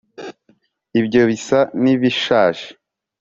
ibyo bisa nibishaje.